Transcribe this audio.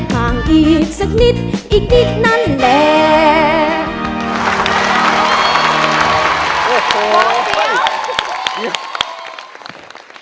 ห่างอีกสักนิดอีกนิดนั้นแดง